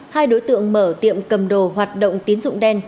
hai đối tượng mở tiệm cầm đồ hoạt động tín dụng đen